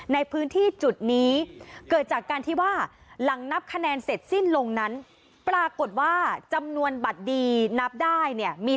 ในพื้นที่จุดนี้เกิดจากการที่ว่าหลังนับคะแนนเสร็จสิ้นลงนั้นปรากฏว่าจำนวนบัตรดีนับได้เนี่ยมี